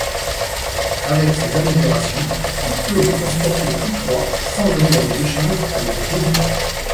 Avec ces améliorations, il peut les transporter tous trois sans opérer d'échange avec Clyde.